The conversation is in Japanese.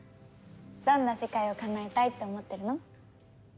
どんな世界をかなえたいって思ってるの？